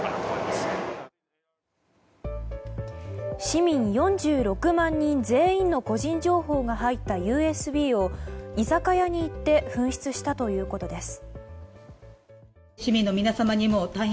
市民４６万人全員の個人情報が入ったＵＳＢを、居酒屋に行って紛失したということです。